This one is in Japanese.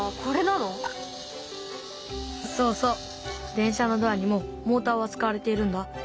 電車のドアにもモーターは使われているんだ。